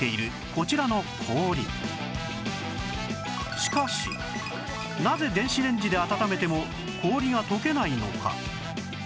しかしなぜ電子レンジで温めても氷が溶けないのか？